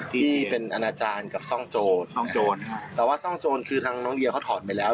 ที่เป็นอนาจารย์กับซ่องโจร์แต่ว่าซ่องโจร์คือคลั้งเขาถอดไปแล้ว